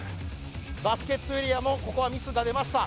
バスケットエリアもここはミスが出ました